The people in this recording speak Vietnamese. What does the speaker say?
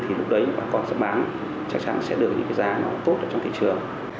thì lúc đấy bà con sẽ bán chắc chắn sẽ được những cái giá nó tốt trong thị trường